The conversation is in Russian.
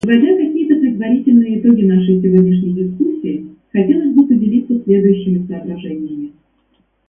Подводя какие-то предварительные итоги нашей сегодняшней дискуссии, хотелось бы поделиться следующими соображениями.